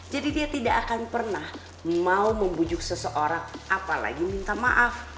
jadi dia tidak akan pernah mau membujuk seseorang apalagi minta maaf